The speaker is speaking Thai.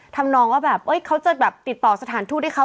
ทำนองว่าแบบเขาจะแบบติดต่อสถานทูตให้เขา